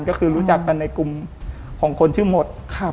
ก็คือรู้จักกันในกลุ่มของคนชื่อหมด